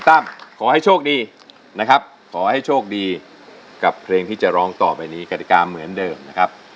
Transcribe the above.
ตั้มขอให้โชคดีนะครับขอให้โชคดีกับเพลงที่จะร้องต่อไปนี้กฎิกาเหมือนเดิมนะครับ